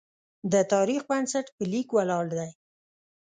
د تاریخ بنسټ په لیک ولاړ دی.